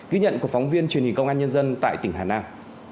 ghi nhận của phóng viên truyền hình công an nhân dân tại tỉnh hà nam